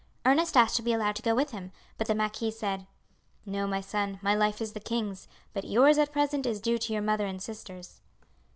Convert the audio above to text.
Ernest asked to be allowed to go with him, but the marquis said: "No, my son, my life is the king's; but yours at present is due to your mother and sisters."